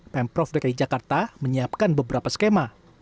pemprov dki jakarta menyiapkan beberapa skema